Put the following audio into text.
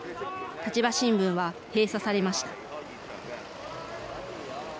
立場新聞は閉鎖されました。